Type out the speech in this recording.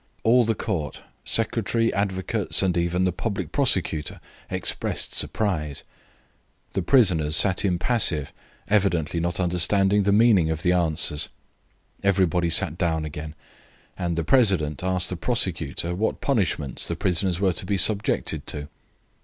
All the Court, secretary, advocates, and even the public prosecutor, expressed surprise. The prisoners sat impassive, evidently not understanding the meaning of the answers. Everybody sat down again, and the president asked the prosecutor what punishments the prisoners were to be subjected to.